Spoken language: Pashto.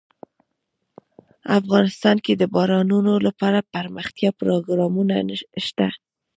افغانستان کې د بارانونو لپاره دپرمختیا پروګرامونه شته.